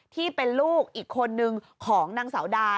ที่เป็นลูกอีกคนนึงของนางสาวดา